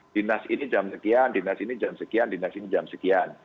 dinas ini jam sekian dinas ini jam sekian dinas ini jam sekian